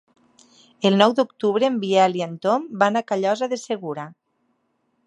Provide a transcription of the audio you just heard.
El nou d'octubre en Biel i en Tom van a Callosa de Segura.